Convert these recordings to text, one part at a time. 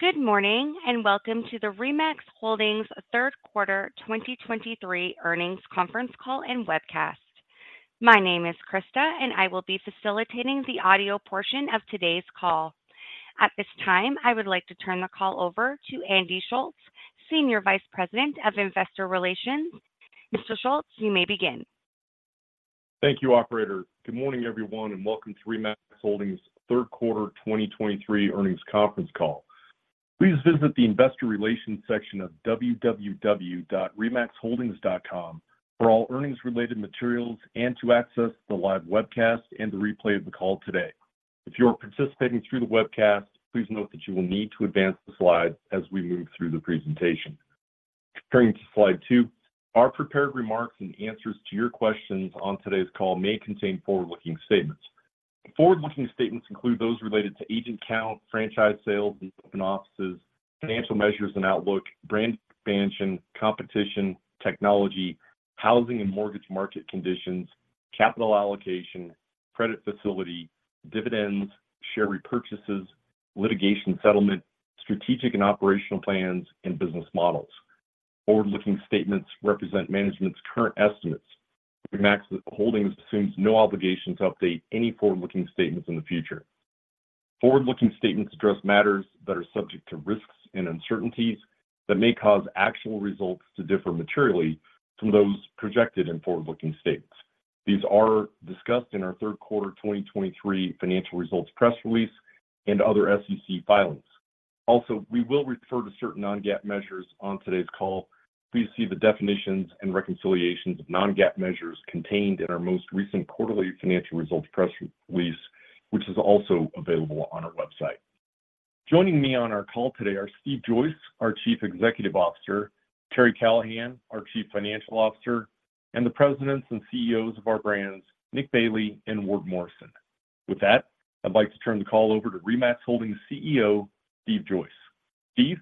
Good morning, and welcome to the RE/MAX Holdings third quarter 2023 earnings conference call and webcast. My name is Krista, and I will be facilitating the audio portion of today's call. At this time, I would like to turn the call over to Andy Schulz, Senior Vice President of Investor Relations. Mr. Schulz, you may begin. Thank you, operator. Good morning, everyone, and welcome to RE/MAX Holdings third quarter 2023 earnings conference call. Please visit the investor relations section of www.remaxholdings.com for all earnings-related materials and to access the live webcast and the replay of the call today. If you are participating through the webcast, please note that you will need to advance the slide as we move through the presentation. Turning to slide 2, our prepared remarks and answers to your questions on today's call may contain forward-looking statements. Forward-looking statements include those related to agent count, franchise sales and open offices, financial measures and outlook, brand expansion, competition, technology, housing and mortgage market conditions, capital allocation, credit facility, dividends, share repurchases, litigation settlement, strategic and operational plans, and business models. Forward-looking statements represent management's current estimates. RE/MAX Holdings assumes no obligation to update any forward-looking statements in the future. Forward-looking statements address matters that are subject to risks and uncertainties that may cause actual results to differ materially from those projected in forward-looking statements. These are discussed in our third quarter 2023 financial results press release and other SEC filings. Also, we will refer to certain non-GAAP measures on today's call. Please see the definitions and reconciliations of non-GAAP measures contained in our most recent quarterly financial results press release, which is also available on our website. Joining me on our call today are Steve Joyce, our Chief Executive Officer, Karri Callahan, our Chief Financial Officer, and the presidents and CEOs of our brands, Nick Bailey and Ward Morrison. With that, I'd like to turn the call over to RE/MAX Holdings CEO, Steve Joyce. Steve?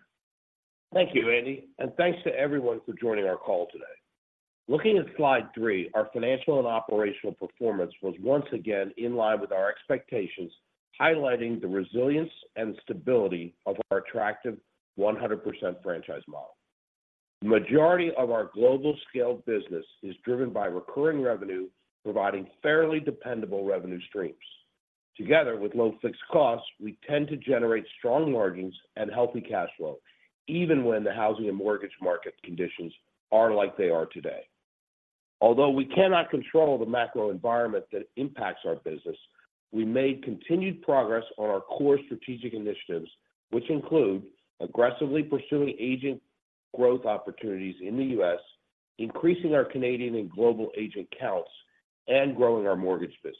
Thank you, Andy, and thanks to everyone for joining our call today. Looking at slide 3, our financial and operational performance was once again in line with our expectations, highlighting the resilience and stability of our attractive 100% franchise model. Majority of our global scaled business is driven by recurring revenue, providing fairly dependable revenue streams. Together with low fixed costs, we tend to generate strong margins and healthy cash flow, even when the housing and mortgage market conditions are like they are today. Although we cannot control the macro environment that impacts our business, we made continued progress on our core strategic initiatives, which include aggressively pursuing agent growth opportunities in the U.S., increasing our Canadian and global agent counts, and growing our mortgage business.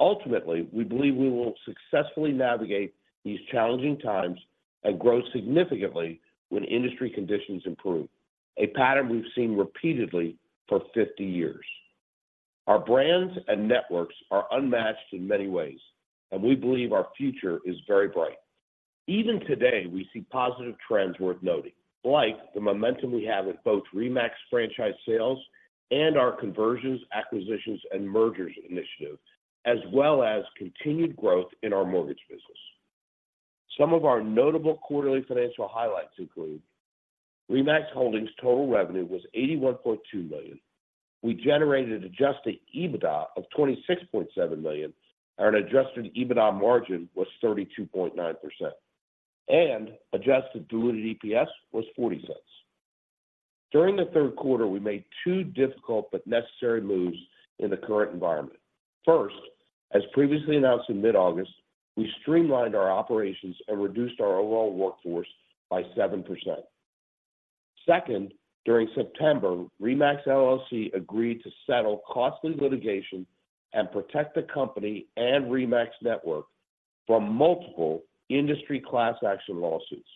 Ultimately, we believe we will successfully navigate these challenging times and grow significantly when industry conditions improve, a pattern we've seen repeatedly for 50 years. Our brands and networks are unmatched in many ways, and we believe our future is very bright. Even today, we see positive trends worth noting, like the momentum we have with both RE/MAX franchise sales and our conversions, acquisitions, and mergers initiative, as well as continued growth in our mortgage business. Some of our notable quarterly financial highlights include: RE/MAX Holdings' total revenue was $81.2 million. We generated adjusted EBITDA of $26.7 million, and an adjusted EBITDA margin was 32.9%, and adjusted diluted EPS was $0.40. During the third quarter, we made two difficult but necessary moves in the current environment. First, as previously announced in mid-August, we streamlined our operations and reduced our overall workforce by 7%. Second, during September, RE/MAX LLC agreed to settle costly litigation and protect the company and RE/MAX network from multiple industry class action lawsuits.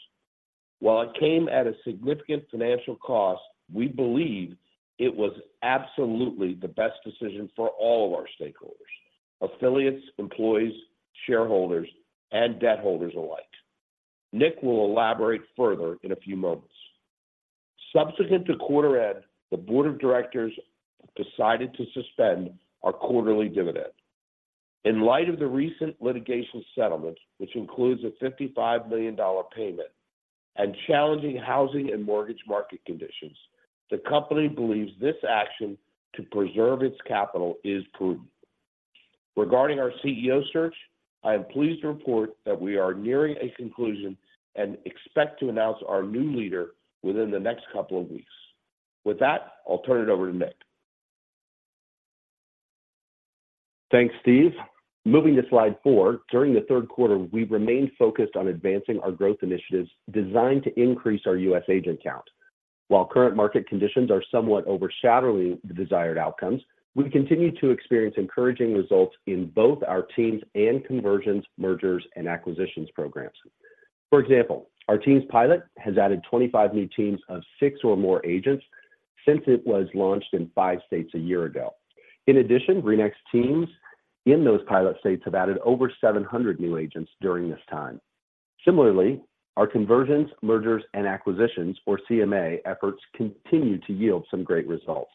While it came at a significant financial cost, we believe it was absolutely the best decision for all of our stakeholders, affiliates, employees, shareholders, and debt holders alike. Nick will elaborate further in a few moments. Subsequent to quarter end, the Board of Directors decided to suspend our quarterly dividend. In light of the recent litigation settlement, which includes a $55 million payment and challenging housing and mortgage market conditions, the company believes this action to preserve its capital is prudent. Regarding our CEO search, I am pleased to report that we are nearing a conclusion and expect to announce our new leader within the next couple of weeks. With that, I'll turn it over to Nick. Thanks, Steve. Moving to slide 4, during the third quarter, we remained focused on advancing our growth initiatives designed to increase our U.S. agent count. While current market conditions are somewhat overshadowing the desired outcomes, we continue to experience encouraging results in both our teams and conversions, mergers, and acquisitions programs. For example, our teams pilot has added 25 new teams of 6 or more agents since it was launched in 5 states a year ago. In addition, RE/MAX teams in those pilot states have added over 700 new agents during this time. Similarly, our conversions, mergers, and acquisitions, or CMA efforts, continue to yield some great results.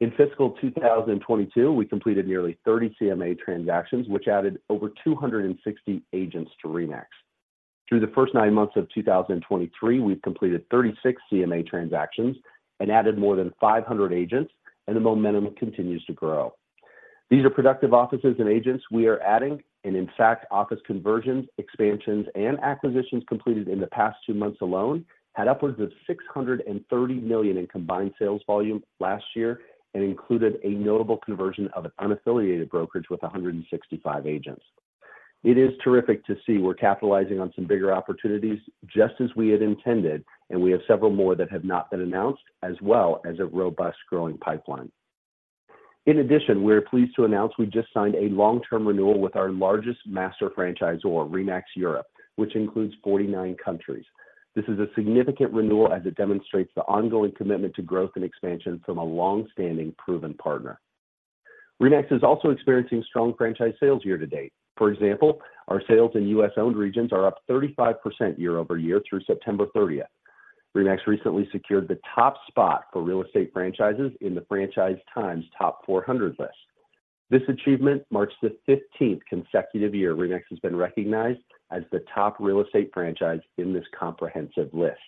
In fiscal 2022, we completed nearly 30 CMA transactions, which added over 260 agents to RE/MAX. Through the first 9 months of 2023, we've completed 36 CMA transactions and added more than 500 agents, and the momentum continues to grow. These are productive offices and agents we are adding, and in fact, office conversions, expansions, and acquisitions completed in the past two months alone had upwards of $630 million in combined sales volume last year and included a notable conversion of an unaffiliated brokerage with 165 agents. It is terrific to see we're capitalizing on some bigger opportunities, just as we had intended, and we have several more that have not been announced, as well as a robust growing pipeline. In addition, we are pleased to announce we just signed a long-term renewal with our largest master franchisor RE/MAX Europe, which includes 49 countries. This is a significant renewal as it demonstrates the ongoing commitment to growth and expansion from a long-standing, proven partner. RE/MAX is also experiencing strong franchise sales year to date. For example, our sales in U.S.-owned regions are up 35% year-over-year through September thirtieth. RE/MAX recently secured the top spot for real estate franchises in the Franchise Times Top 400 list. This achievement marks the 15th consecutive year RE/MAX has been recognized as the top real estate franchise in this comprehensive list.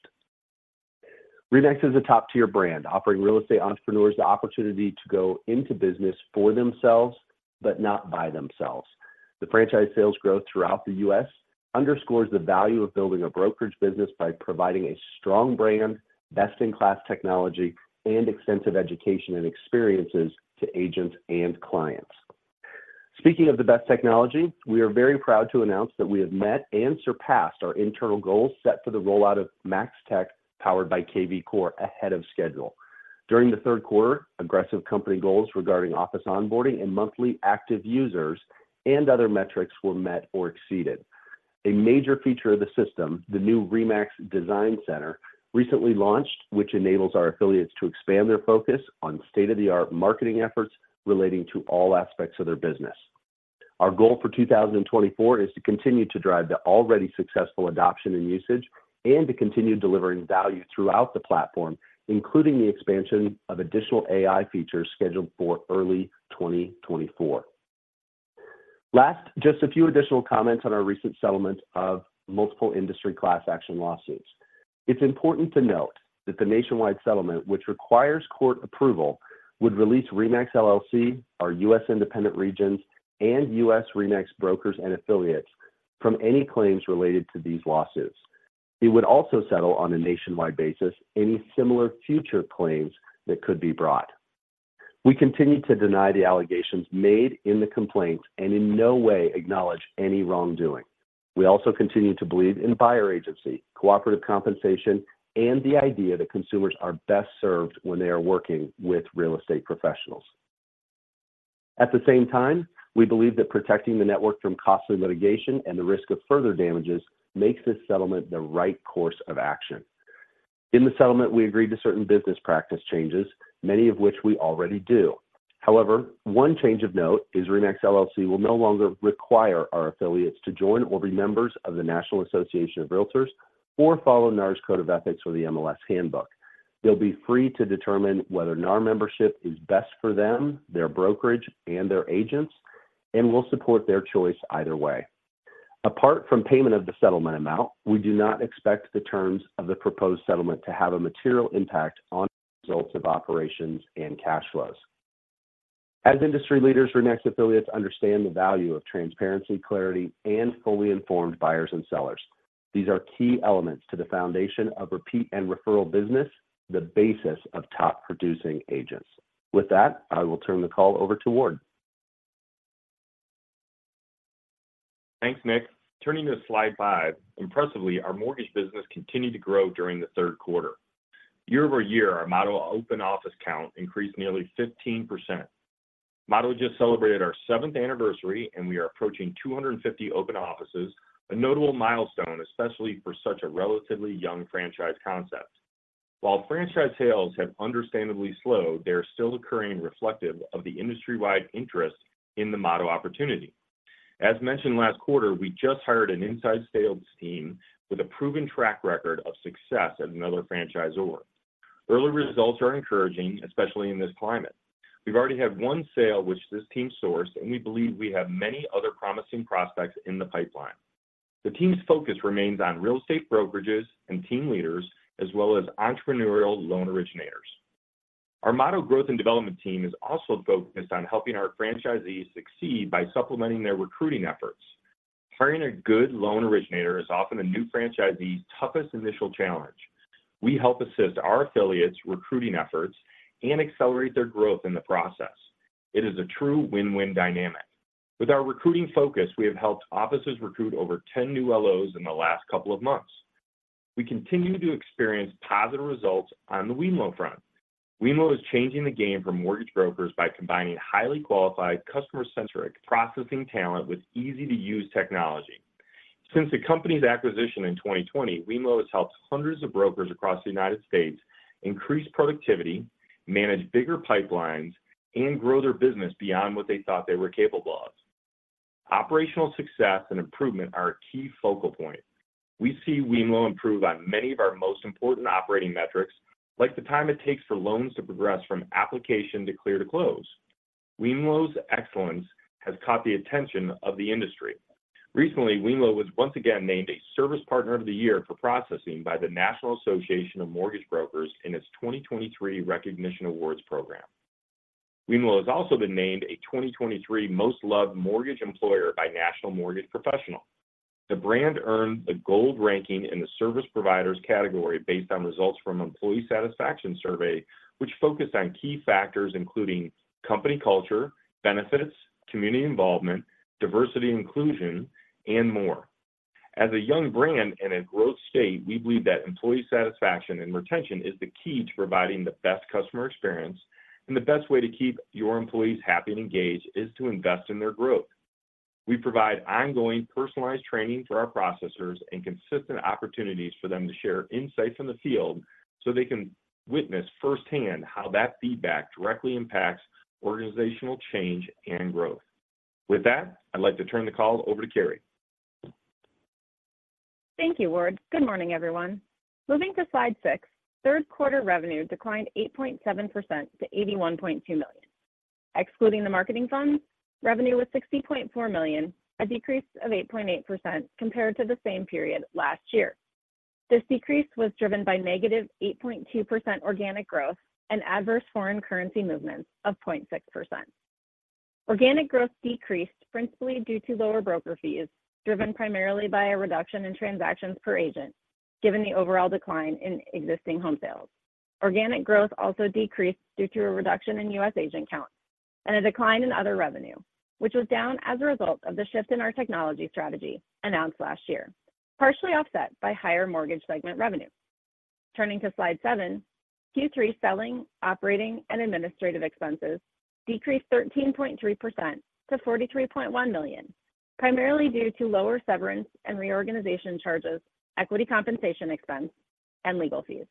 RE/MAX is a top-tier brand, offering real estate entrepreneurs the opportunity to go into business for themselves, but not by themselves. The franchise sales growth throughout the U.S. underscores the value of building a brokerage business by providing a strong brand, best-in-class technology, and extensive education and experiences to agents and clients. Speaking of the best technology, we are very proud to announce that we have met and surpassed our internal goals set for the rollout of MAX/Tech, powered by kvCORE, ahead of schedule. During the third quarter, aggressive company goals regarding office onboarding and monthly active users and other metrics were met or exceeded. A major feature of the system, the new RE/MAX Design Center, recently launched, which enables our affiliates to expand their focus on state-of-the-art marketing efforts relating to all aspects of their business. Our goal for 2024 is to continue to drive the already successful adoption and usage, and to continue delivering value throughout the platform, including the expansion of additional AI features scheduled for early 2024. Last, just a few additional comments on our recent settlement of multiple industry class action lawsuits. It's important to note that the nationwide settlement, which requires court approval, would release RE/MAX LLC, our U.S. independent regions, and U.S. RE/MAX brokers and affiliates from any claims related to these lawsuits. It would also settle on a nationwide basis any similar future claims that could be brought. We continue to deny the allegations made in the complaints and in no way acknowledge any wrongdoing. We also continue to believe in buyer agency, cooperative compensation, and the idea that consumers are best served when they are working with real estate professionals. At the same time, we believe that protecting the network from costly litigation and the risk of further damages makes this settlement the right course of action. In the settlement, we agreed to certain business practice changes, many of which we already do. However, one change of note is RE/MAX LLC will no longer require our affiliates to join or be members of the National Association of Realtors or follow NAR's Code of Ethics or the MLS Handbook. They'll be free to determine whether NAR membership is best for them, their brokerage, and their agents, and will support their choice either way. Apart from payment of the settlement amount, we do not expect the terms of the proposed settlement to have a material impact on the results of operations and cash flows. As industry leaders, RE/MAX affiliates understand the value of transparency, clarity, and fully informed buyers and sellers. These are key elements to the foundation of repeat and referral business, the basis of top-producing agents. With that, I will turn the call over to Ward. Thanks, Nick. Turning to slide 5, impressively, our mortgage business continued to grow during the third quarter. Year-over-year, our Motto open office count increased nearly 15%. Motto just celebrated our 7th anniversary, and we are approaching 250 open offices, a notable milestone, especially for such a relatively young franchise concept. While franchise sales have understandably slowed, they are still occurring reflective of the industry-wide interest in the Motto opportunity. As mentioned last quarter, we just hired an inside sales team with a proven track record of success at another franchisor. Early results are encouraging, especially in this climate. We've already had one sale, which this team sourced, and we believe we have many other promising prospects in the pipeline. The team's focus remains on real estate brokerages and team leaders, as well as entrepreneurial loan originators. Our Motto growth and development team is also focused on helping our franchisees succeed by supplementing their recruiting efforts. Hiring a good loan originator is often a new franchisee's toughest initial challenge. We help assist our affiliates' recruiting efforts and accelerate their growth in the process. It is a true win-win dynamic. With our recruiting focus, we have helped offices recruit over 10 new LOs in the last couple of months. We continue to experience positive results on the wemlo front. wemlo is changing the game for mortgage brokers by combining highly qualified, customer-centric processing talent with easy-to-use technology. Since the company's acquisition in 2020, wemlo has helped hundreds of brokers across the United States increase productivity, manage bigger pipelines, and grow their business beyond what they thought they were capable of. Operational success and improvement are a key focal point. We see wemlo improve on many of our most important operating metrics, like the time it takes for loans to progress from application to clear to close. wemlo's excellence has caught the attention of the industry. Recently, wemlo was once again named a Service Partner of the Year for processing by the National Association of Mortgage Brokers in its 2023 Recognition Awards program. wemlo has also been named a 2023 Most Loved Mortgage Employer by National Mortgage Professional. The brand earned the gold ranking in the service providers category based on results from employee satisfaction survey, which focused on key factors including company culture, benefits, community involvement, diversity and inclusion, and more. As a young brand in a growth state, we believe that employee satisfaction and retention is the key to providing the best customer experience, and the best way to keep your employees happy and engaged is to invest in their growth. We provide ongoing personalized training for our processors and consistent opportunities for them to share insights from the field, so they can witness firsthand how that feedback directly impacts organizational change and growth. With that, I'd like to turn the call over to Karri. Thank you, Ward. Good morning, everyone. Moving to slide 6, third quarter revenue declined 8.7% to $81.2 million. Excluding the marketing funds, revenue was $60.4 million, a decrease of 8.8% compared to the same period last year. This decrease was driven by negative 8.2% organic growth and adverse foreign currency movements of 0.6%. Organic growth decreased principally due to lower broker fees, driven primarily by a reduction in transactions per agent, given the overall decline in existing home sales. Organic growth also decreased due to a reduction in U.S. agent count and a decline in other revenue, which was down as a result of the shift in our technology strategy announced last year, partially offset by higher mortgage segment revenue. Turning to Slide 7, Q3 selling, operating, and administrative expenses decreased 13.3% to $43.1 million, primarily due to lower severance and reorganization charges, equity compensation expense, and legal fees.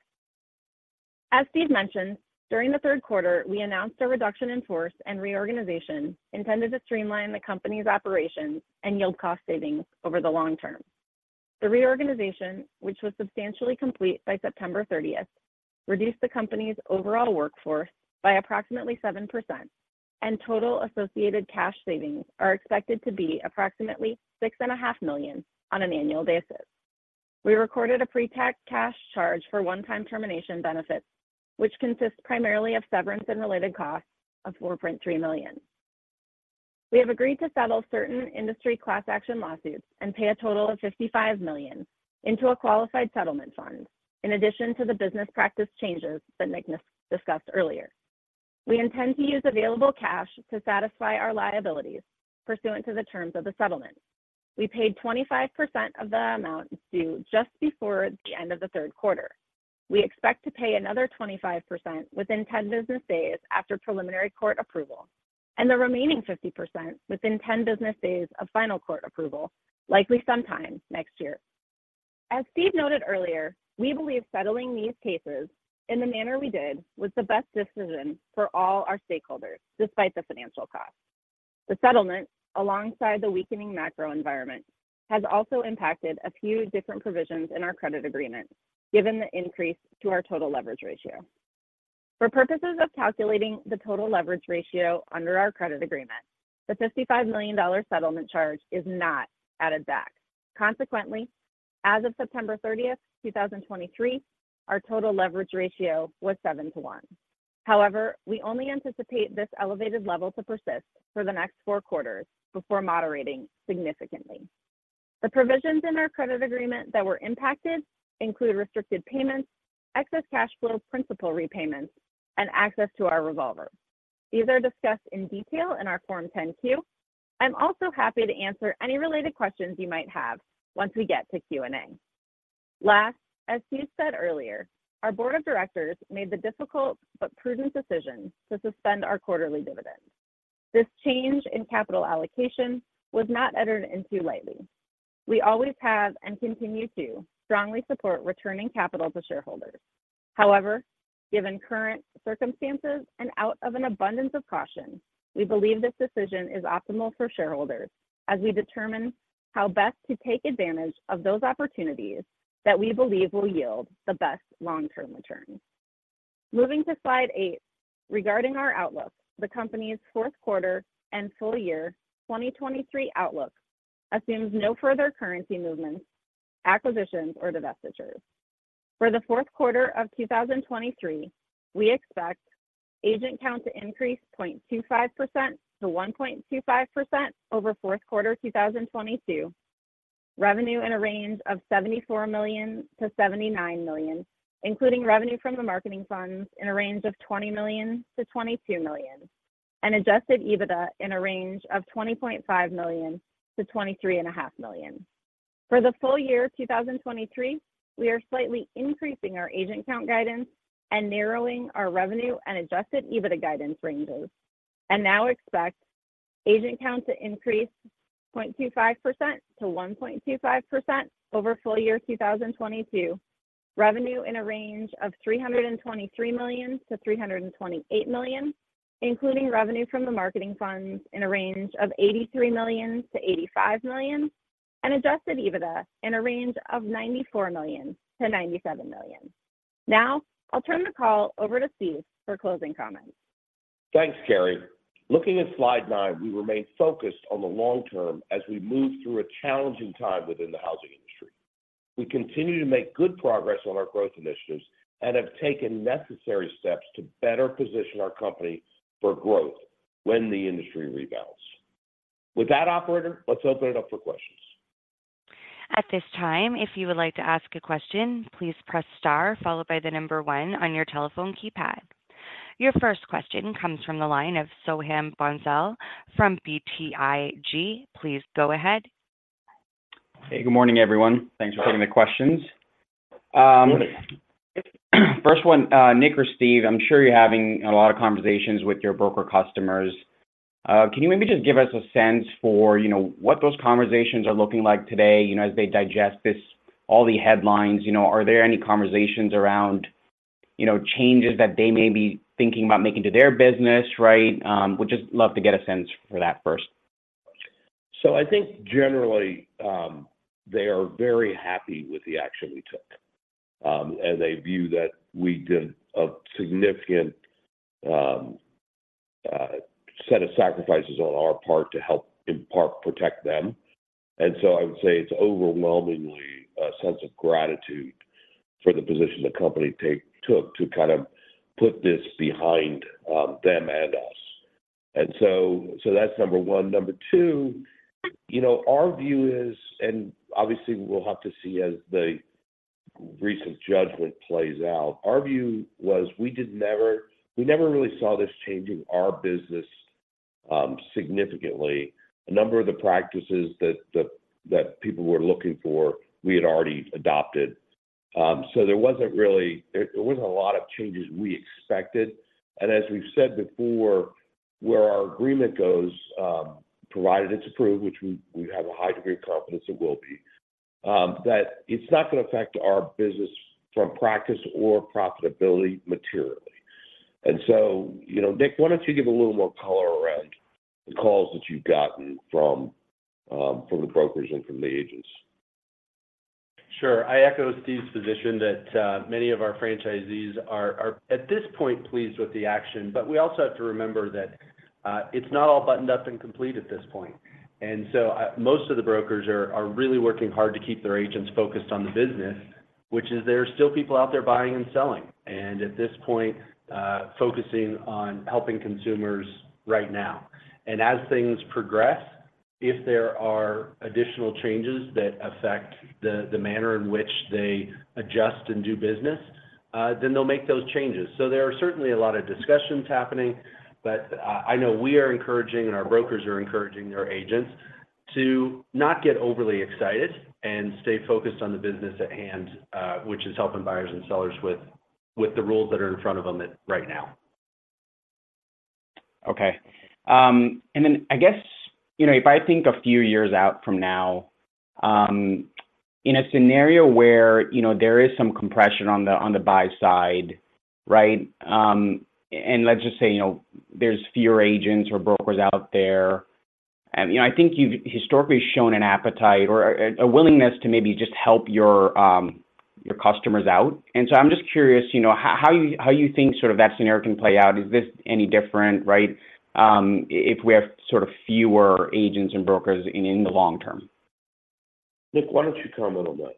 As Steve mentioned, during the third quarter, we announced a reduction in force and reorganization intended to streamline the company's operations and yield cost savings over the long term. The reorganization, which was substantially complete by September thirtieth, reduced the company's overall workforce by approximately 7%, and total associated cash savings are expected to be approximately $6.5 million on an annual basis. We recorded a pre-tax cash charge for one-time termination benefits, which consists primarily of severance and related costs of $4.3 million. We have agreed to settle certain industry class action lawsuits and pay a total of $55 million into a qualified settlement fund, in addition to the business practice changes that Nick discussed earlier. We intend to use available cash to satisfy our liabilities pursuant to the terms of the settlement. We paid 25% of the amount due just before the end of the third quarter. We expect to pay another 25% within 10 business days after preliminary court approval, and the remaining 50% within 10 business days of final court approval, likely sometime next year. As Steve noted earlier, we believe settling these cases in the manner we did was the best decision for all our stakeholders, despite the financial cost. The settlement, alongside the weakening macro environment, has also impacted a few different provisions in our credit agreement, given the increase to our total leverage ratio. For purposes of calculating the total leverage ratio under our credit agreement, the $55 million settlement charge is not added back. Consequently, as of September 30, 2023, our total leverage ratio was 7-to-1. However, we only anticipate this elevated level to persist for the next 4 quarters before moderating significantly. The provisions in our credit agreement that were impacted include restricted payments, excess cash flow, principal repayments, and access to our revolver. These are discussed in detail in our Form 10-Q. I'm also happy to answer any related questions you might have once we get to Q&A. Last, as Steve said earlier, our Board of Directors made the difficult but prudent decision to suspend our quarterly dividend. This change in capital allocation was not entered into lightly. We always have, and continue to, strongly support returning capital to shareholders. However, given current circumstances and out of an abundance of caution, we believe this decision is optimal for shareholders as we determine how best to take advantage of those opportunities that we believe will yield the best long-term returns. Moving to Slide 8, regarding our outlook, the company's fourth quarter and full year 2023 outlook assumes no further currency movements, acquisitions, or divestitures. For the fourth quarter of 2023, we expect agent count to increase 0.25%-1.25% over fourth quarter 2022. Revenue in a range of $74 million-$79 million, including revenue from the marketing funds in a range of $20 million-$22 million, and Adjusted EBITDA in a range of $20.5 million-$23.5 million. For the full year of 2023, we are slightly increasing our agent count guidance and narrowing our revenue and Adjusted EBITDA guidance ranges, and now expect agent count to increase 0.25%-1.25% over full year 2022.... revenue in a range of $323 million-$328 million, including revenue from the marketing funds in a range of $83 million-$85 million, and Adjusted EBITDA in a range of $94 million-$97 million. Now, I'll turn the call over to Steve for closing comments. Thanks, Karri. Looking at slide nine, we remain focused on the long term as we move through a challenging time within the housing industry. We continue to make good progress on our growth initiatives and have taken necessary steps to better position our company for growth when the industry rebounds. With that, operator, let's open it up for questions. At this time, if you would like to ask a question, please press star, followed by the number one on your telephone keypad. Your first question comes from the line of Soham Bhonsle from BTIG. Please go ahead. Hey, good morning, everyone. Thanks for taking the questions. Good morning. First one, Nick or Steve, I'm sure you're having a lot of conversations with your broker customers. Can you maybe just give us a sense for, you know, what those conversations are looking like today, you know, as they digest this all the headlines? You know, are there any conversations around, you know, changes that they may be thinking about making to their business, right? Would just love to get a sense for that first. So I think generally, they are very happy with the action we took. And they view that we did a significant set of sacrifices on our part to help, in part, protect them. And so I would say it's overwhelmingly a sense of gratitude for the position the company took to kind of put this behind them and us. And so that's number one. Number two, you know, our view is, and obviously we'll have to see as the recent judgment plays out, our view was we never really saw this changing our business significantly. A number of the practices that people were looking for, we had already adopted. So there wasn't really a lot of changes we expected. As we've said before, where our agreement goes, provided it's approved, which we, we have a high degree of confidence it will be, that it's not gonna affect our business from practice or profitability materially. And so, you know, Nick, why don't you give a little more color around the calls that you've gotten from, from the brokers and from the agents? Sure. I echo Steve's position that many of our franchisees are at this point pleased with the action. But we also have to remember that it's not all buttoned up and complete at this point. And so most of the brokers are really working hard to keep their agents focused on the business, which is there are still people out there buying and selling, and at this point focusing on helping consumers right now. And as things progress, if there are additional changes that affect the manner in which they adjust and do business, then they'll make those changes. There are certainly a lot of discussions happening, but, I know we are encouraging, and our brokers are encouraging their agents to not get overly excited and stay focused on the business at hand, which is helping buyers and sellers with the rules that are in front of them right now. Okay. And then I guess, you know, if I think a few years out from now, in a scenario where, you know, there is some compression on the, on the buy side, right? And let's just say, you know, there's fewer agents or brokers out there, you know, I think you've historically shown an appetite or a, a willingness to maybe just help your, your customers out. And so I'm just curious, you know, how, how you, how you think sort of that scenario can play out. Is this any different, right, if we have sort of fewer agents and brokers in, in the long term? Nick, why don't you comment on that?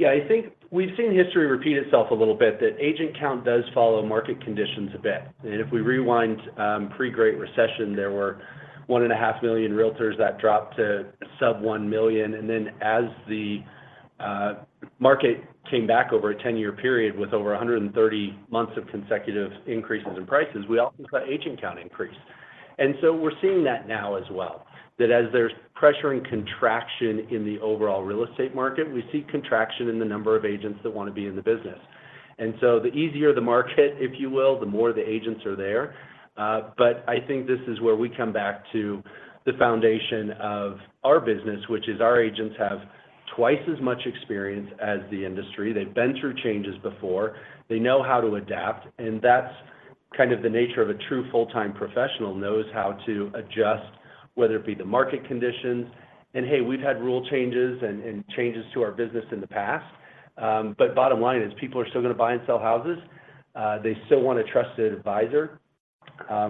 Yeah, I think we've seen history repeat itself a little bit, that agent count does follow market conditions a bit. If we rewind, pre-Great Recession, there were 1.5 million REALTORS that dropped to sub 1 million. Then as the market came back over a 10-year period with over 130 months of consecutive increases in prices, we also saw agent count increase. And so we're seeing that now as well, that as there's pressure and contraction in the overall real estate market, we see contraction in the number of agents that want to be in the business. And so the easier the market, if you will, the more the agents are there. But I think this is where we come back to the foundation of our business, which is our agents have twice as much experience as the industry. They've been through changes before. They know how to adapt, and that's kind of the nature of a true full-time professional, knows how to adjust, whether it be the market conditions... And hey, we've had rule changes and changes to our business in the past. But bottom line is, people are still gonna buy and sell houses. They still want a trusted advisor.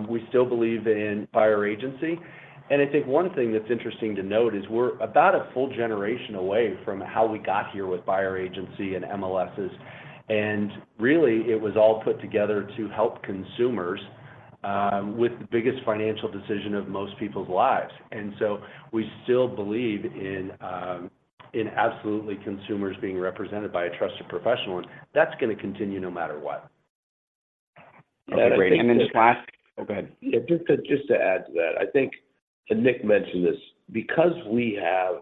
We still believe in buyer agency. And I think one thing that's interesting to note is we're about a full generation away from how we got here with buyer agency and MLSs. And really, it was all put together to help consumers with the biggest financial decision of most people's lives. And so we still believe in absolutely consumers being represented by a trusted professional, and that's gonna continue no matter what. Great. And then last- Oh, go ahead. Yeah, just to, just to add to that, I think, and Nick mentioned this, because we have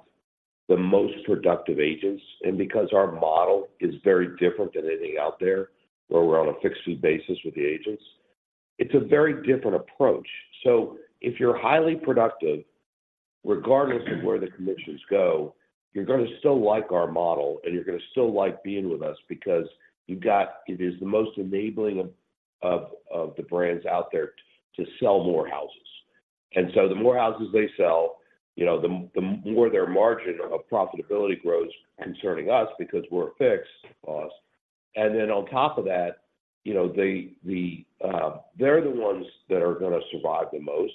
the most productive agents, and because our model is very different than anything out there, where we're on a fixed fee basis with the agents, it's a very different approach. So if you're highly productive, regardless of where the commissions go, you're gonna still like our model, and you're gonna still like being with us because you've got it is the most enabling of, of, of the brands out there to sell more houses. And so the more houses they sell, you know, the more their margin of profitability grows concerning us, because we're a fixed cost. And then on top of that, you know, they're the ones that are gonna survive the most.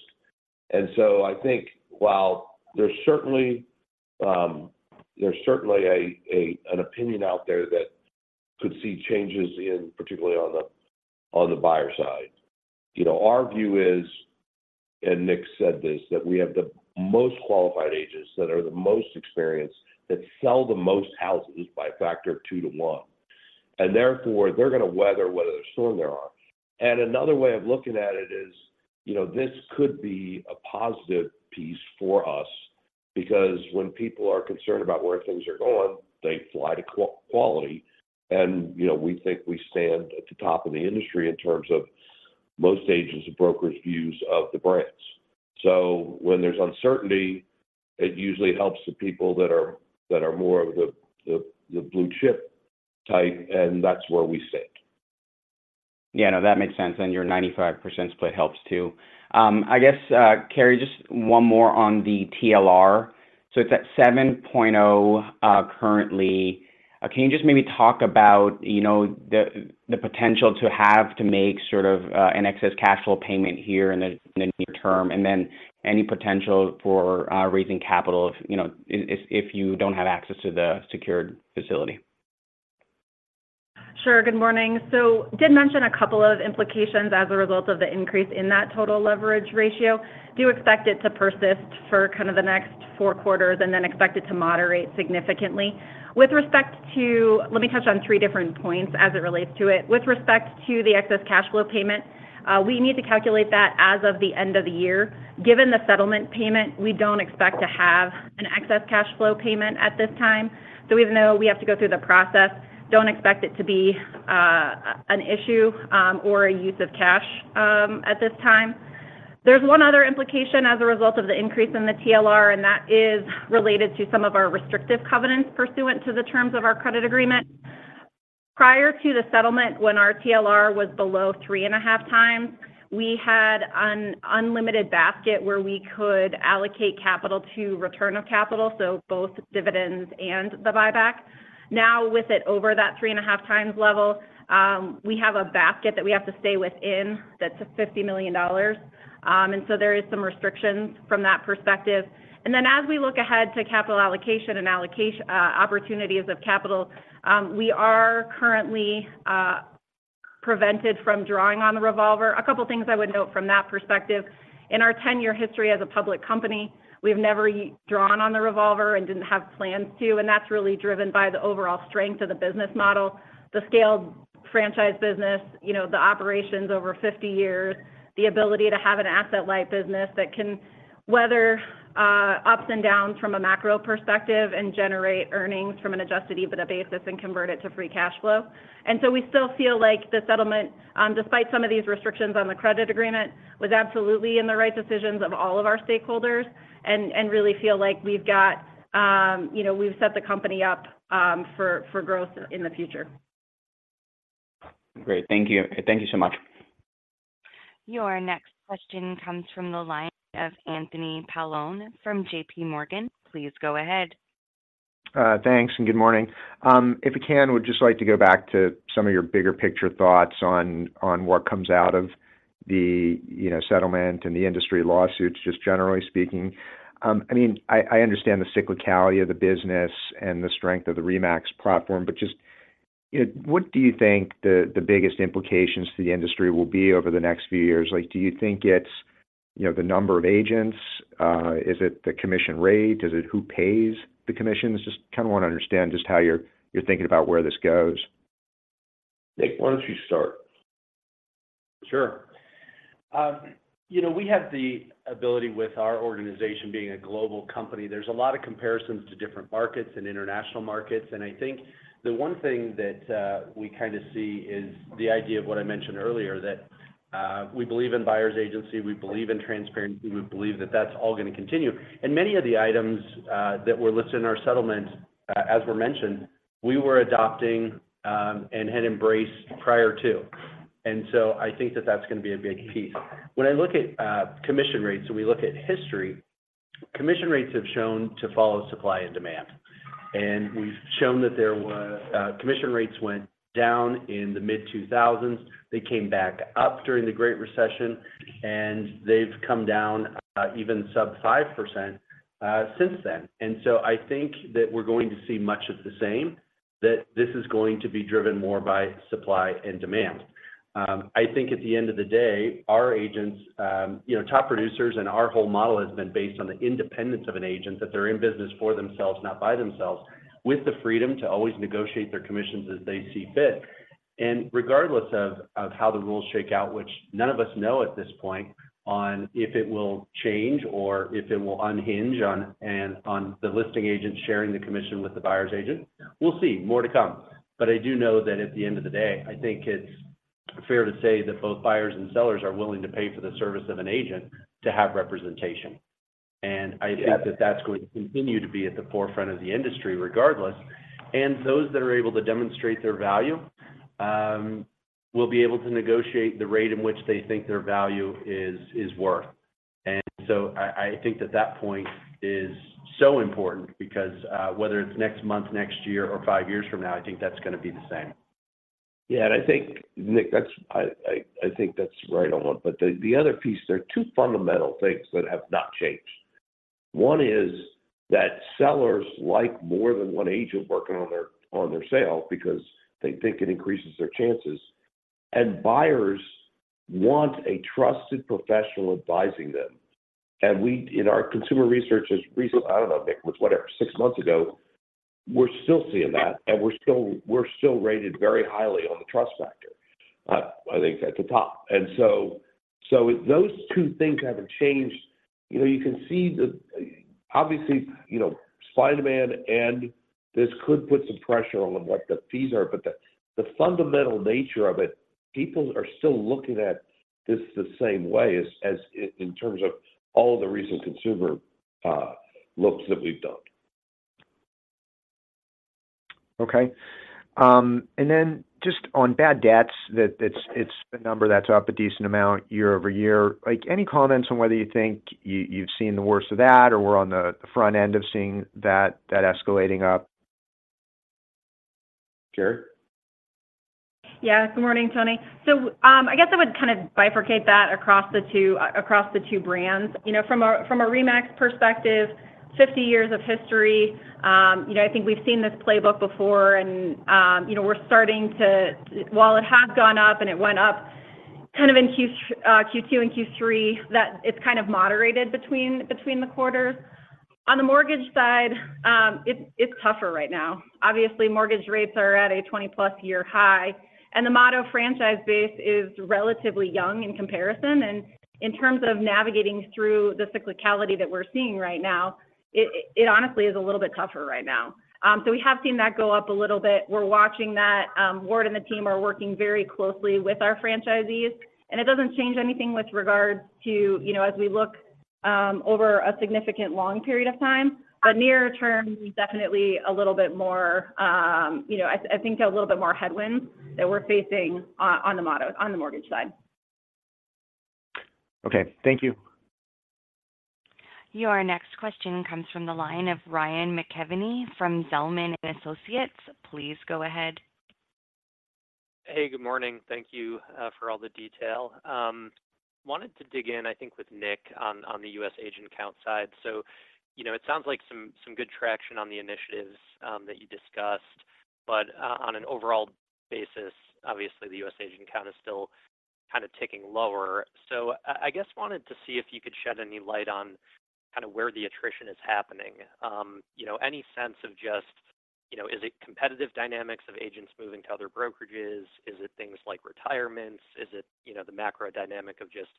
And so I think while there's certainly, there's certainly an opinion out there that could see changes in, particularly on the buyer side. You know, our view is, and Nick said this, that we have the most qualified agents that are the most experienced, that sell the most houses by a factor of 2-to-1, and therefore, they're gonna weather whatever storm there are. And another way of looking at it is, you know, this could be a positive piece for us, because when people are concerned about where things are going, they fly to quality. And, you know, we think we stand at the top of the industry in terms of most agents and brokers' views of the brands. So when there's uncertainty, it usually helps the people that are more of the blue chip type, and that's where we sit. Yeah, no, that makes sense, and your 95% split helps too. I guess, Karri, just one more on the TLR. So it's at 7.0 currently. Can you just maybe talk about, you know, the potential to have to make sort of an excess cash flow payment here in the near term, and then any potential for raising capital if, you know, if you don't have access to the secured facility? Sure. Good morning. So did mention a couple of implications as a result of the increase in that total leverage ratio. Do expect it to persist for kind of the next four quarters, and then expect it to moderate significantly. With respect to, let me touch on three different points as it relates to it. With respect to the excess cash flow payment, we need to calculate that as of the end of the year. Given the settlement payment, we don't expect to have an excess cash flow payment at this time. So even though we have to go through the process, don't expect it to be, an issue, or a use of cash, at this time. There's one other implication as a result of the increase in the TLR, and that is related to some of our restrictive covenants pursuant to the terms of our credit agreement. Prior to the settlement, when our TLR was below 3.5 times, we had an unlimited basket where we could allocate capital to return of capital, so both dividends and the buyback. Now, with it over that 3.5 times level, we have a basket that we have to stay within that's of $50 million. And so there is some restrictions from that perspective. And then, as we look ahead to capital allocation and opportunities of capital, we are currently prevented from drawing on the revolver. A couple things I would note from that perspective. In our ten-year history as a public company, we've never drawn on the revolver and didn't have plans to, and that's really driven by the overall strength of the business model, the scaled franchise business, you know, the operations over 50 years, the ability to have an asset-light business that can weather ups and downs from a macro perspective and generate earnings from an Adjusted EBITDA basis and convert it to free cash flow. And so we still feel like the settlement, despite some of these restrictions on the credit agreement, was absolutely in the right decisions of all of our stakeholders, and really feel like we've got, you know, we've set the company up for growth in the future. Great. Thank you. Thank you so much. Your next question comes from the line of Anthony Paolone from J.P. Morgan. Please go ahead. Thanks, and good morning. If you can, would just like to go back to some of your bigger picture thoughts on, on what comes out of the, you know, settlement and the industry lawsuits, just generally speaking. I mean, I, I understand the cyclicality of the business and the strength of the RE/MAX platform, but just, you know, what do you think the, the biggest implications to the industry will be over the next few years? Like, do you think it's, you know, the number of agents? Is it the commission rate? Is it who pays the commissions? Just kind of want to understand just how you're, you're thinking about where this goes. Nick, why don't you start? Sure. You know, we have the ability, with our organization being a global company, there's a lot of comparisons to different markets and international markets. And I think the one thing that we kind of see is the idea of what I mentioned earlier, that we believe in buyer's agency, we believe in transparency, we believe that that's all going to continue. And many of the items that were listed in our settlement, as were mentioned, we were adopting and had embraced prior to. And so I think that that's going to be a big piece. When I look at commission rates and we look at history, commission rates have shown to follow supply and demand. And we've shown that there was commission rates went down in the mid-2000s. They came back up during the Great Recession, and they've come down, even sub 5%, since then. And so I think that we're going to see much of the same, that this is going to be driven more by supply and demand. I think at the end of the day, our agents, you know, top producers and our whole model has been based on the independence of an agent, that they're in business for themselves, not by themselves, with the freedom to always negotiate their commissions as they see fit. And regardless of, of how the rules shake out, which none of us know at this point, on if it will change or if it will unhinge on and-- on the listing agent sharing the commission with the buyer's agent, we'll see. More to come. But I do know that at the end of the day, I think it's fair to say that both buyers and sellers are willing to pay for the service of an agent to have representation. And I think that that's going to continue to be at the forefront of the industry regardless. And those that are able to demonstrate their value will be able to negotiate the rate in which they think their value is, is worth. And so I, I think that that point is so important because whether it's next month, next year, or five years from now, I think that's gonna be the same. Yeah, and I think, Nick, that's-- I think that's right on. But the other piece, there are two fundamental things that have not changed. One is that sellers like more than one agent working on their sale because they think it increases their chances, and buyers want a trusted professional advising them. And we, in our consumer research as recent-- I don't know, Nick, it was whatever, six months ago, we're still seeing that, and we're still rated very highly on the trust factor. I think it's at the top. And so if those two things haven't changed, you know, you can see the, obviously, you know, supply and demand, and this could put some pressure on what the fees are, but the fundamental nature of it, people are still looking at this the same way as in terms of all the recent consumer looks that we've done. Okay. And then just on bad debts, that it's a number that's up a decent amount year over year. Like, any comments on whether you think you've seen the worst of that, or we're on the front end of seeing that escalating up? Karri? Yeah. Good morning, Tony. So, I guess I would kind of bifurcate that across the two, across the two brands. You know, from a, from a RE/MAX perspective, 50 years of history, you know, I think we've seen this playbook before, and, you know, we're starting to... While it has gone up and it went up kind of in Q2 and Q3, that it's kind of moderated between, between the quarters. On the mortgage side, it's, it's tougher right now. Obviously, mortgage rates are at a 20+ year high, and the Motto franchise base is relatively young in comparison. And in terms of navigating through the cyclicality that we're seeing right now, it, it honestly is a little bit tougher right now. So we have seen that go up a little bit. We're watching that. Ward and the team are working very closely with our franchisees, and it doesn't change anything with regards to, you know, as we look over a significant long period of time. But near term, definitely a little bit more, you know, I think a little bit more headwinds that we're facing on the Motto on the mortgage side. Okay. Thank you. Your next question comes from the line of Ryan McKeveny from Zelman & Associates. Please go ahead. Hey, good morning. Thank you for all the detail. Wanted to dig in, I think, with Nick on the U.S. agent count side. So, you know, it sounds like some good traction on the initiatives that you discussed. But on an overall basis, obviously, the U.S. agent count is still kind of ticking lower. So I guess wanted to see if you could shed any light on kind of where the attrition is happening. You know, any sense of just, you know, is it competitive dynamics of agents moving to other brokerages? Is it things like retirements? Is it, you know, the macro dynamic of just,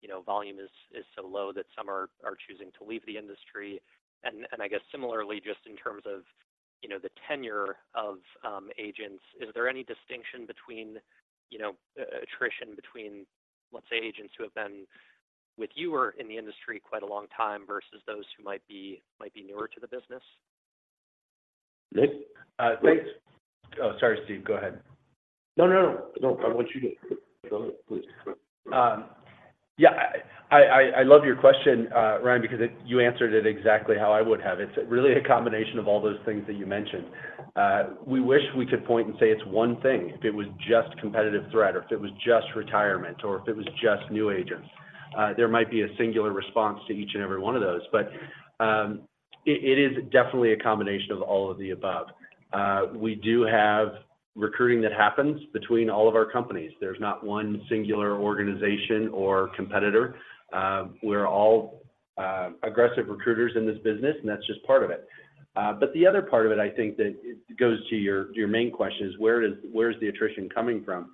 you know, volume is so low that some are choosing to leave the industry? I guess similarly, just in terms of, you know, the tenure of agents, is there any distinction between, you know, attrition between, let's say, agents who have been with you or in the industry quite a long time versus those who might be newer to the business? Nick? Thanks. Oh, sorry, Steve. Go ahead. No, no, no, no. I want you to. Go ahead, please. Yeah, I love your question, Ryan, because you answered it exactly how I would have. It's really a combination of all those things that you mentioned. We wish we could point and say it's one thing. If it was just competitive threat, or if it was just retirement, or if it was just new agents, there might be a singular response to each and every one of those. But, it is definitely a combination of all of the above. We do have recruiting that happens between all of our companies. There's not one singular organization or competitor. We're all aggressive recruiters in this business, and that's just part of it. But the other part of it, I think, that goes to your main question is where is the attrition coming from?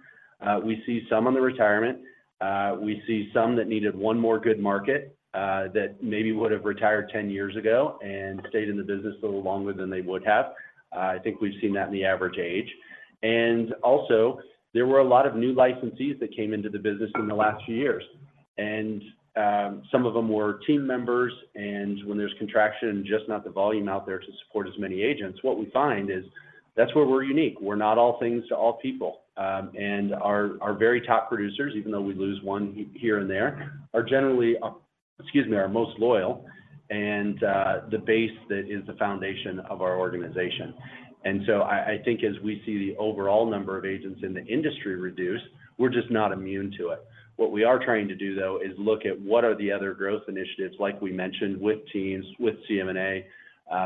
We see some on the retirement, we see some that needed one more good market, that maybe would have retired 10 years ago and stayed in the business a little longer than they would have. I think we've seen that in the average age. And also, there were a lot of new licensees that came into the business in the last few years, and, some of them were team members. And when there's contraction and just not the volume out there to support as many agents, what we find is that's where we're unique. We're not all things to all people. And our, our very top producers, even though we lose one here and there, are generally, excuse me, are most loyal and, the base that is the foundation of our organization. And so I think as we see the overall number of agents in the industry reduce, we're just not immune to it. What we are trying to do, though, is look at what are the other growth initiatives, like we mentioned, with teams, with CMA,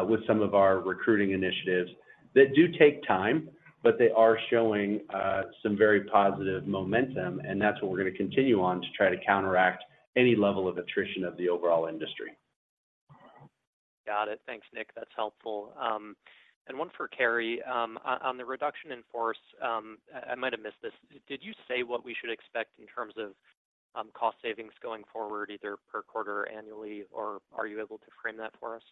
with some of our recruiting initiatives, that do take time, but they are showing some very positive momentum, and that's what we're going to continue on to try to counteract any level of attrition of the overall industry. Got it. Thanks, Nick. That's helpful. And one for Karri. On the reduction in force, I might have missed this. Did you say what we should expect in terms of cost savings going forward, either per quarter or annually, or are you able to frame that for us?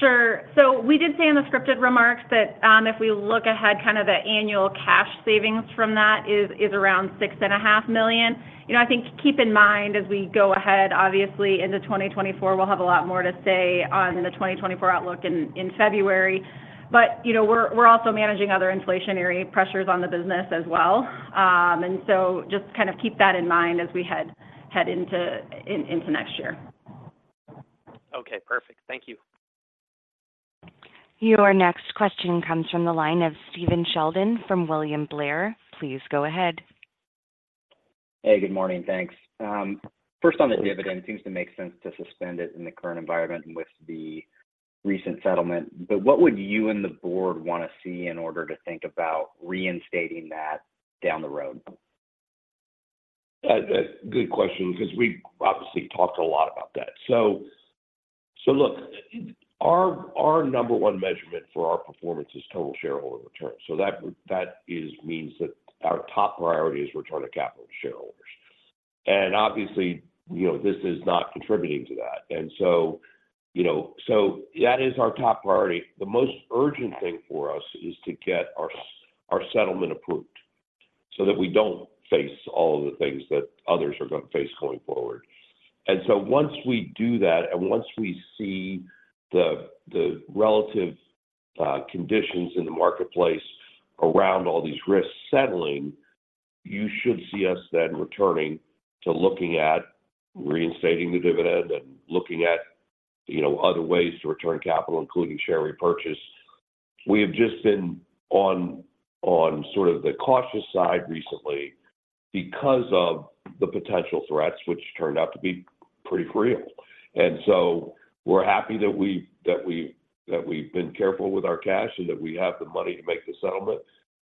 Sure. So we did say in the scripted remarks that if we look ahead, kind of the annual cash savings from that is around $6.5 million. You know, I think keep in mind as we go ahead, obviously into 2024, we'll have a lot more to say on the 2024 outlook in February. But, you know, we're also managing other inflationary pressures on the business as well. And so just kind of keep that in mind as we head into next year. Okay, perfect. Thank you. Your next question comes from the line of Stephen Sheldon from William Blair. Please go ahead. Hey, good morning. Thanks. First on the dividend, seems to make sense to suspend it in the current environment and with the recent settlement. But what would you and the board want to see in order to think about reinstating that down the road? Good question, 'cause we obviously talked a lot about that. So, so look, our, our number one measurement for our performance is total shareholder return. So that, that is means that our top priority is return of capital to shareholders. And obviously, you know, this is not contributing to that. And so, you know, so that is our top priority. The most urgent thing for us is to get our our settlement approved, so that we don't face all of the things that others are going to face going forward. And so once we do that, and once we see the, the relative, conditions in the marketplace around all these risks settling, you should see us then returning to looking at reinstating the dividend and looking at, you know, other ways to return capital, including share repurchase. We have just been on sort of the cautious side recently because of the potential threats, which turned out to be pretty real. And so we're happy that we've been careful with our cash and that we have the money to make the settlement,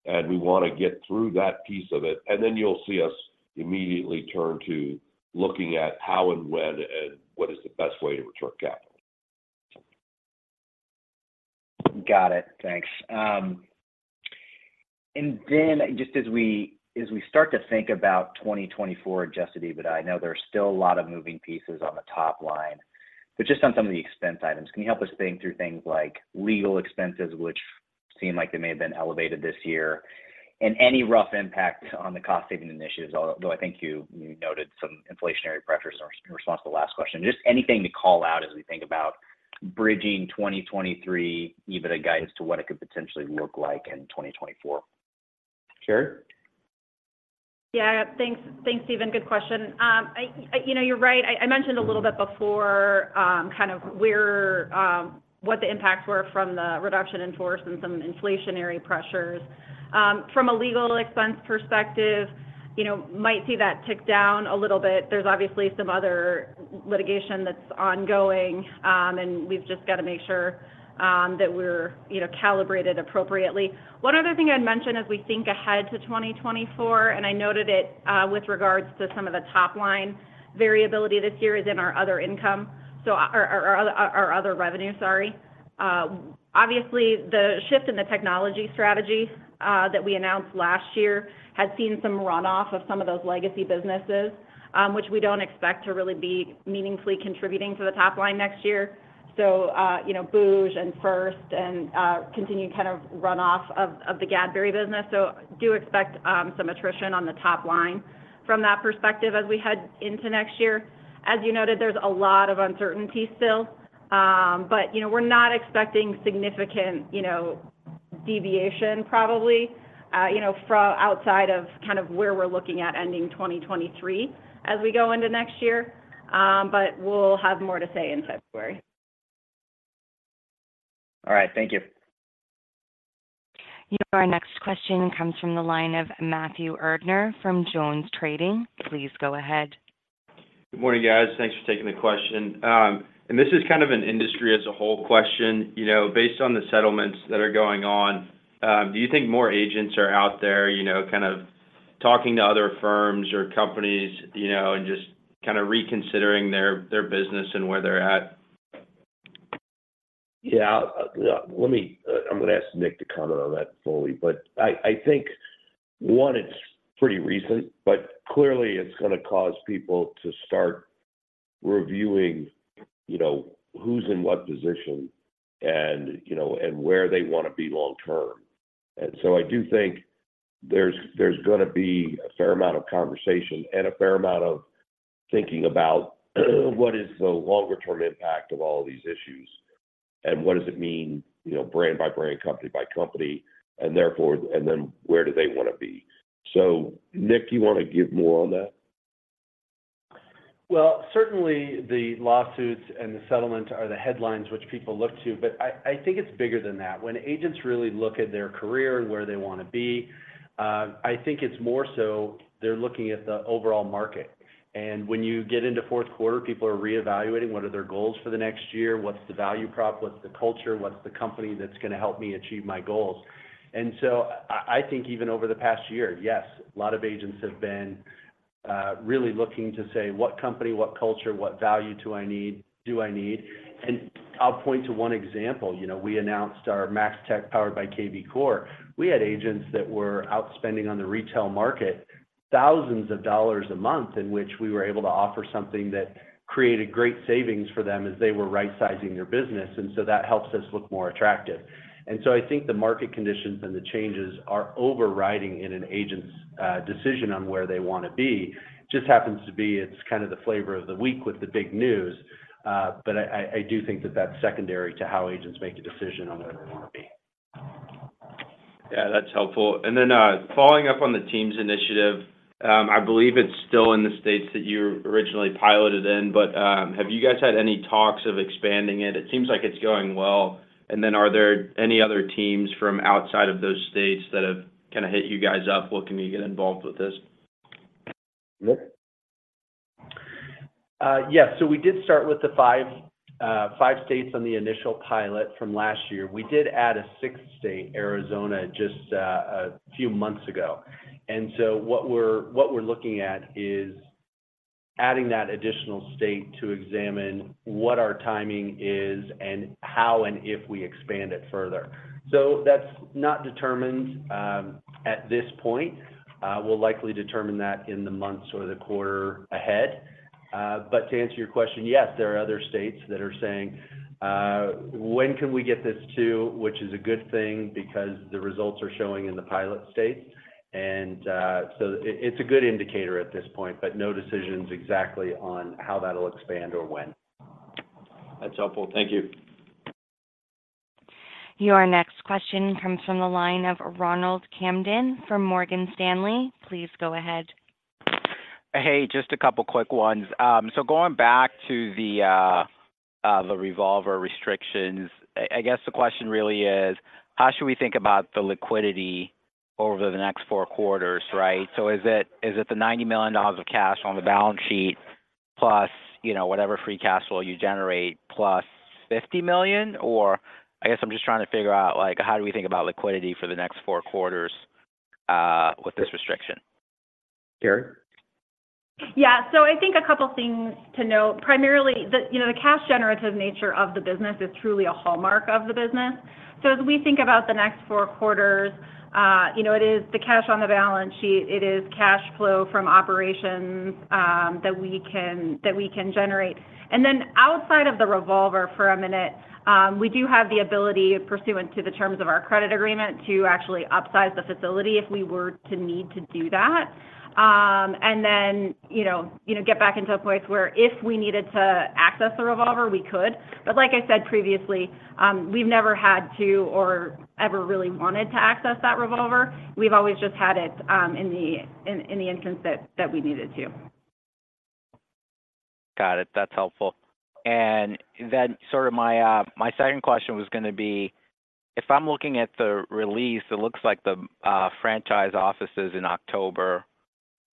and we want to get through that piece of it. And then you'll see us immediately turn to looking at how and when and what is the best way to return capital. Got it. Thanks. And then just as we start to think about 2024, just to, but I know there are still a lot of moving pieces on the top line, but just on some of the expense items, can you help us think through things like legal expenses, which seem like they may have been elevated this year, and any rough impact on the cost-saving initiatives? Although I think you noted some inflationary pressures in response to the last question. Just anything to call out as we think about bridging 2023, even a guide as to what it could potentially look like in 2024. Karri? Yeah, thanks. Thanks, Steve. Good question. You know, you're right. I mentioned a little bit before, kind of where what the impacts were from the reduction in force and some inflationary pressures. From a legal expense perspective, you know, might see that tick down a little bit. There's obviously some other litigation that's ongoing, and we've just got to make sure that we're, you know, calibrated appropriately. One other thing I'd mention as we think ahead to 2024, and I noted it with regards to some of the top line variability this year is in our other income, so our other revenue, sorry. Obviously, the shift in the technology strategy that we announced last year has seen some runoff of some of those legacy businesses, which we don't expect to really be meaningfully contributing to the top line next year. So, you know, booj and First and continued kind of runoff of the Gadberry business. So do expect some attrition on the top line from that perspective as we head into next year. As you noted, there's a lot of uncertainty still, but, you know, we're not expecting significant, you know, deviation, probably, from outside of kind of where we're looking at ending 2023 as we go into next year. But we'll have more to say in February. All right. Thank you. Your next question comes from the line of Matthew Erdner from Jones Trading. Please go ahead. Good morning, guys. Thanks for taking the question. This is kind of an industry as a whole question. You know, based on the settlements that are going on, do you think more agents are out there, you know, kind of talking to other firms or companies, you know, and just kind of reconsidering their business and where they're at? Yeah, let me, I'm going to ask Nick to comment on that fully. But I think, one, it's pretty recent, but clearly, it's going to cause people to start reviewing, you know, who's in what position and, you know, and where they want to be long term. And so I do think there's going to be a fair amount of conversation and a fair amount of thinking about, what is the longer term impact of all these issues, and what does it mean, you know, brand by brand, company by company, and therefore, and then where do they want to be? So, Nick, you want to give more on that? Well, certainly the lawsuits and the settlement are the headlines which people look to, but I, I think it's bigger than that. When agents really look at their career and where they want to be, I think it's more so they're looking at the overall market. And when you get into fourth quarter, people are reevaluating what are their goals for the next year, what's the value prop, what's the culture, what's the company that's going to help me achieve my goals? And so I, I think even over the past year, yes, a lot of agents have been really looking to say, "What company, what culture, what value do I need, do I need?" And I'll point to one example. You know, we announced our MAX/Tech powered by kvCORE. We had agents that were outspending on the retail market thousands of dollars a month, in which we were able to offer something that created great savings for them as they were rightsizing their business. And so that helps us look more attractive. And so I think the market conditions and the changes are overriding in an agent's decision on where they want to be. Just happens to be, it's kind of the flavor of the week with the big news, but I do think that that's secondary to how agents make a decision on where they want to be. Yeah, that's helpful. And then, following up on the teams initiative, I believe it's still in the states that you originally piloted in, but, have you guys had any talks of expanding it? It seems like it's going well. And then are there any other teams from outside of those states that have kind of hit you guys up, looking to get involved with this? Nick? Yes. So we did start with the 5, 5 states on the initial pilot from last year. We did add a sixth state, Arizona, just a few months ago. And so what we're looking at is adding that additional state to examine what our timing is and how, and if we expand it further. So that's not determined at this point. We'll likely determine that in the months or the quarter ahead. But to answer your question, yes, there are other states that are saying, "When can we get this, too?" Which is a good thing, because the results are showing in the pilot states. And so it, it's a good indicator at this point, but no decisions exactly on how that'll expand or when. That's helpful. Thank you. Your next question comes from the line of Ronald Kamdem from Morgan Stanley. Please go ahead. Hey, just a couple quick ones. So going back to the revolver restrictions, I guess the question really is: How should we think about the liquidity over the next four quarters, right? So is it the $90 million of cash on the balance sheet, plus, you know, whatever free cash flow you generate, plus $50 million? Or... I guess I'm just trying to figure out, like, how do we think about liquidity for the next four quarters with this restriction? Karri? Yeah. So I think a couple things to note. Primarily, the, you know, the cash generative nature of the business is truly a hallmark of the business. So as we think about the next four quarters, you know, it is the cash on the balance sheet, it is cash flow from operations, that we can, that we can generate. And then outside of the revolver for a minute, we do have the ability, pursuant to the terms of our credit agreement, to actually upsize the facility if we were to need to do that. And then, you know, you know, get back into a place where if we needed to access the revolver, we could. But like I said previously, we've never had to or ever really wanted to access that revolver. We've always just had it in the instance that we needed to. Got it. That's helpful. And then, sort of my second question was gonna be: If I'm looking at the release, it looks like the franchise offices in October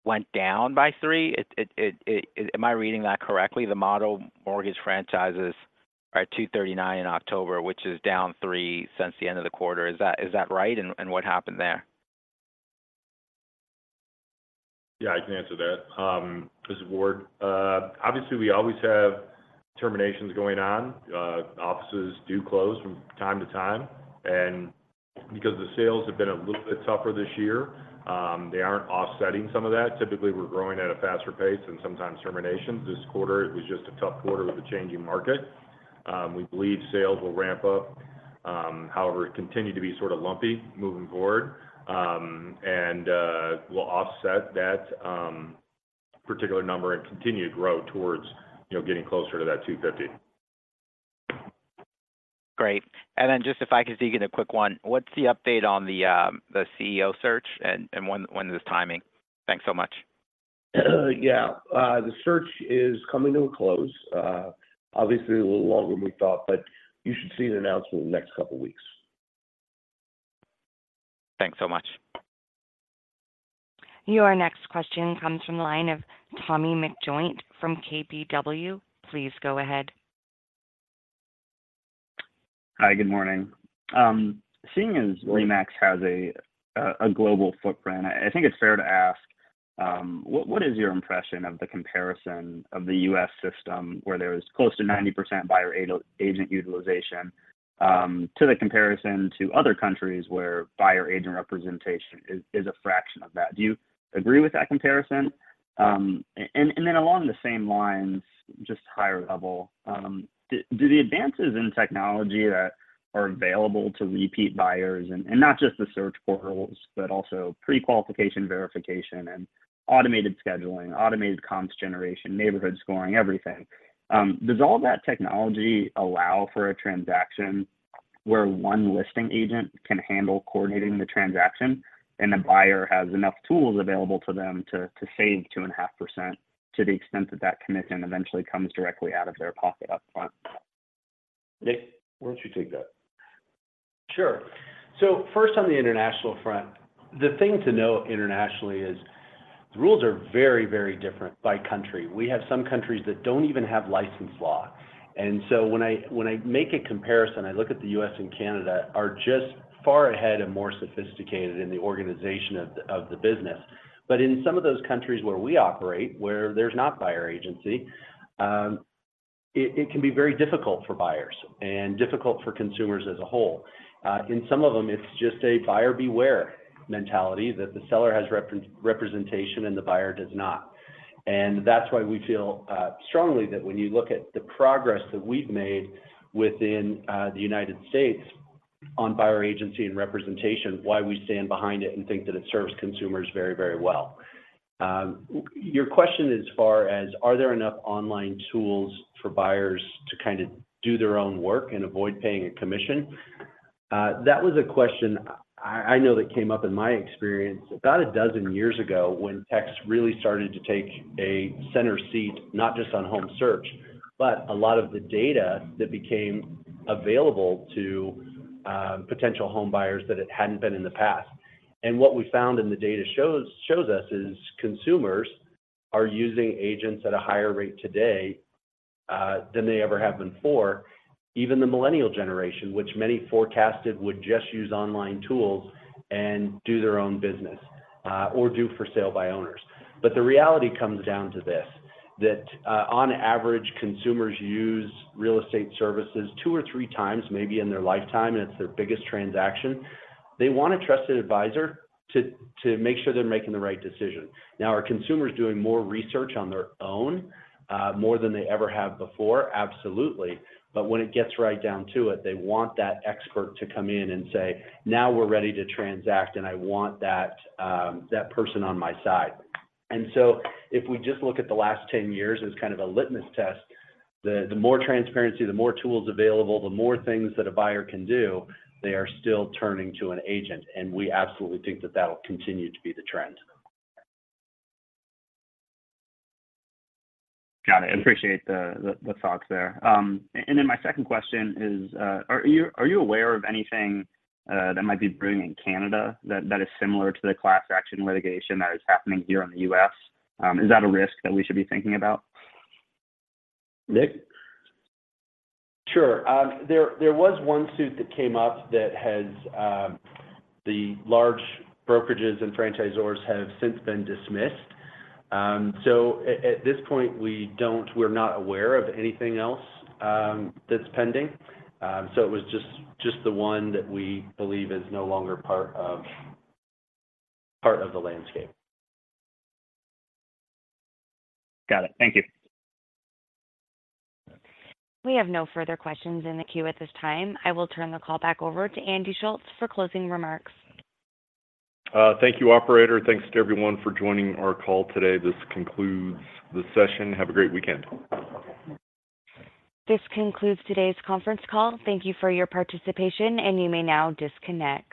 went down by 3. Am I reading that correctly? The Motto Mortgage franchises are 239 in October, which is down 3 since the end of the quarter. Is that right, and what happened there? Yeah, I can answer that. This is Ward. Obviously, we always have terminations going on. Offices do close from time to time, and because the sales have been a little bit tougher this year, they aren't offsetting some of that. Typically, we're growing at a faster pace than sometimes termination. This quarter, it was just a tough quarter with the changing market. We believe sales will ramp up, however, it continued to be sort of lumpy moving forward. And, we'll offset that particular number and continue to grow towards, you know, getting closer to that 250. Great. And then just if I could sneak in a quick one: What's the update on the, the CEO search, and, and when, when is this timing? Thanks so much. Yeah. The search is coming to a close. Obviously, a little longer than we thought, but you should see an announcement in the next couple weeks. Thanks so much. Your next question comes from the line of Tommy McJoynt from KBW. Please go ahead. Hi, good morning. Seeing as RE/MAX has a global footprint, I think it's fair to ask, what is your impression of the comparison of the U.S. system, where there is close to 90% buyer agent utilization, to the comparison to other countries where buyer agent representation is a fraction of that? Do you agree with that comparison? And then along the same lines, just higher level, do the advances in technology that are available to repeat buyers, and not just the search portals, but also prequalification verification, and automated scheduling, automated comps generation, neighborhood scoring, everything, does all that technology allow for a transaction where one listing agent can handle coordinating the transaction, and the buyer has enough tools available to them to save 2.5%, to the extent that that commission eventually comes directly out of their pocket upfront? Nick, why don't you take that? Sure. So first, on the international front, the thing to know internationally is the rules are very, very different by country. We have some countries that don't even have license law. And so when I make a comparison, I look at the U.S. and Canada are just far ahead and more sophisticated in the organization of the business. But in some of those countries where we operate, where there's not buyer agency, it can be very difficult for buyers and difficult for consumers as a whole. In some of them, it's just a buyer beware mentality, that the seller has representation and the buyer does not. That's why we feel strongly that when you look at the progress that we've made within the United States on buyer agency and representation, why we stand behind it and think that it serves consumers very, very well. Your question as far as are there enough online tools for buyers to kind of do their own work and avoid paying a commission? That was a question I know that came up in my experience about a dozen years ago when techs really started to take a center seat, not just on home search, but a lot of the data that became available to potential home buyers that it hadn't been in the past. And what we found and the data shows us is consumers are using agents at a higher rate today than they ever have before. Even the millennial generation, which many forecasted, would just use online tools and do their own business, or do for sale by owners. But the reality comes down to this, that, on average, consumers use real estate services two or three times maybe in their lifetime, and it's their biggest transaction. They want a trusted advisor to, to make sure they're making the right decision. Now, are consumers doing more research on their own, more than they ever have before? Absolutely. But when it gets right down to it, they want that expert to come in and say, "Now we're ready to transact, and I want that person on my side." And so if we just look at the last 10 years as kind of a litmus test, the more transparency, the more tools available, the more things that a buyer can do, they are still turning to an agent, and we absolutely think that that will continue to be the trend. Got it. I appreciate the thoughts there. And then my second question is, are you aware of anything that might be brewing in Canada that is similar to the class action litigation that is happening here in the U.S.? Is that a risk that we should be thinking about? Nick? Sure. There was one suit that came up that has the large brokerages and franchisors have since been dismissed. So at this point, we don't. We're not aware of anything else that's pending. So it was just the one that we believe is no longer part of the landscape. Got it. Thank you. We have no further questions in the queue at this time. I will turn the call back over to Andy Schulz for closing remarks. Thank you, operator. Thanks to everyone for joining our call today. This concludes the session. Have a great weekend. This concludes today's conference call. Thank you for your participation, and you may now disconnect.